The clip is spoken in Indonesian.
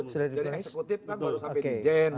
sudah dipilah pilah belum